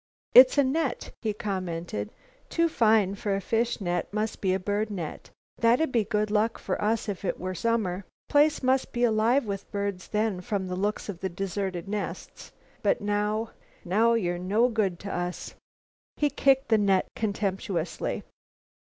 "It's a net," he commented. "Too fine for a fish net must be a bird net. That'd be good luck for us if it were summer. Place must be alive with birds then from the looks of all the deserted nests, but now now you're no good to us." He kicked the net contemptuously.